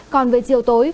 còn về chiều tối